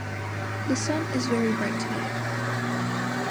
The sun is very bright today.